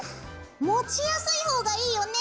持ちやすい方がいいよね？